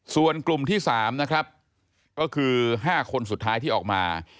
ส่วนกลุ่มที่๓นะครับก็คือ๕คนสุดท้ายที่ออกมา